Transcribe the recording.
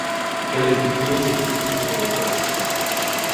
LSD খেলেই সে যিশুখ্রিষ্টকে দেখতে পেত।